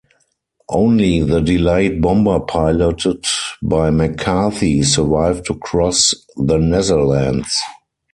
Only the delayed bomber piloted by McCarthy survived to cross the Netherlands.